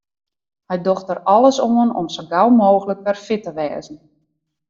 Hy docht der alles oan om sa gau mooglik wer fit te wêzen.